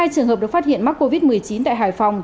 hai trường hợp được phát hiện mắc covid một mươi chín tại hải phòng